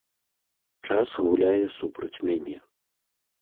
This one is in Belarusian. Час гуляе супраць мяне.